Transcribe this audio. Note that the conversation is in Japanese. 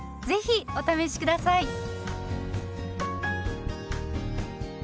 ぜひお試し下さい。